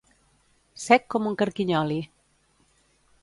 Sec com un carquinyoli.